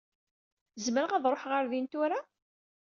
Zemreɣ ad ṛuḥeɣ ɣer din tura?